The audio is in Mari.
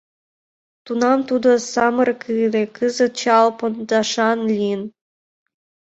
Тунам тудо самырык ыле, кызыт чал пондашан лийын...